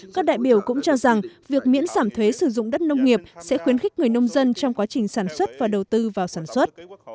các đại biểu cũng cho rằng việc miễn giảm thuế sử dụng đất nông nghiệp sẽ khuyến khích người nông dân trong quá trình sản xuất và đầu tư vào sản xuất